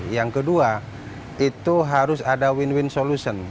yang kedua itu harus ada win win solution